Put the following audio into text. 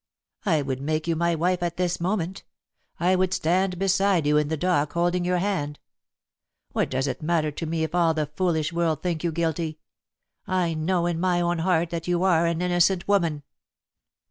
"I would make you my wife at this moment. I would stand beside you in the dock holding your hand. What does it matter to me if all the foolish world think you guilty? I know in my own heart that you are an innocent woman."